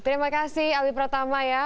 terima kasih alvi pertama ya